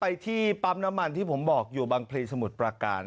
ที่ปั๊มน้ำมันที่ผมบอกอยู่บางพลีสมุทรประการ